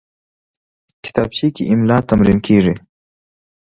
کتابچه کې املا تمرین کېږي